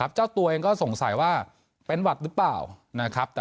เจ้าตัวเองก็สงสัยว่าเป็นหวัดหรือเปล่านะครับ